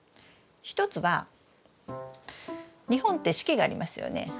１つは日本って四季がありますよね。